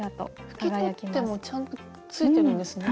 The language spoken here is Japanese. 拭き取ってもちゃんとついてるんですね。